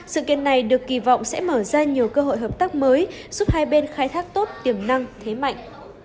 sự kiện này được kỳ vọng sẽ mở ra nhiều cơ hội hợp tác mới giúp hai bên khai thác tốt tiềm năng thế mạnh